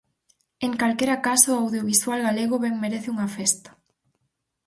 En calquera caso o audiovisual galego ben merece unha festa.